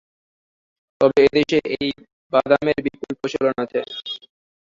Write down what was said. তবে এদেশে এই বাদামের বিপুল প্রচলন আছে।